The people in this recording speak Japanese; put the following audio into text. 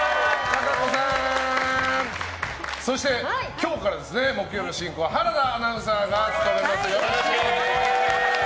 そして、今日から木曜日の進行は原田アナウンサーが務めます。